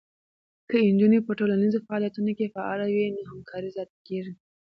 که نجونې په ټولنیزو فعالیتونو کې فعاله وي، نو همکاری زیاته کېږي.